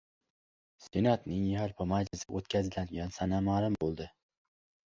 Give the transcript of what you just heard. Senatning yalpi majlisi o‘tkaziladigan sana ma’lum bo‘ldi